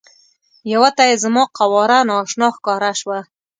یوه ته یې زما قواره نا اشنا ښکاره شوه.